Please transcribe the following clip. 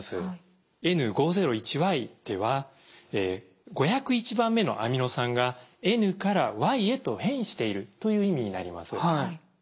Ｎ５０１Ｙでは５０１番目のアミノ酸がＮからＹへと変異しているという意味になります。